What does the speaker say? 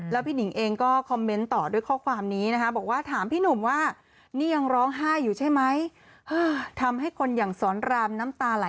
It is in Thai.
แล้วพี่หนิงเองก็คอมเมนต์ต่อด้วยข้อความนี้นะคะ